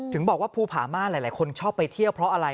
ถึงบอกว่าภูผาม่าหลายคนชอบไปเที่ยวเพราะอะไร